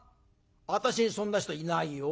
私にそんな人いないよ。